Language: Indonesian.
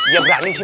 ya berani sih